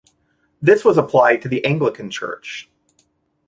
This was applied to the Anglican Church.